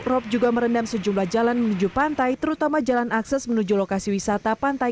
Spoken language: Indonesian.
rob juga merendam sejumlah jalan menuju pantai terutama jalan akses menuju lokasi wisata pantai